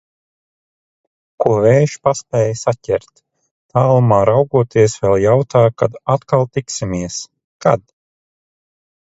Ko vējš paspēja saķert. Tālumā raugoties vēl jautā, kad atkal tiksimies? Kad?